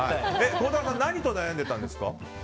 孝太郎さん何と悩んでいたんですか？